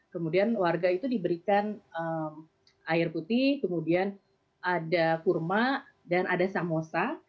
kemudian warga itu diberikan air putih kemudian ada kurma dan ada samosa